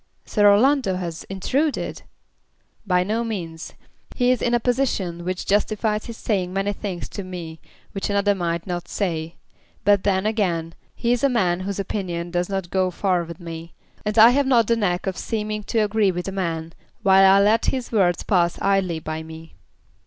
"Sir Orlando has intruded!" "By no means. He is in a position which justifies his saying many things to me which another might not say. But then, again, he is a man whose opinion does not go far with me, and I have not the knack of seeming to agree with a man while I let his words pass idly by me."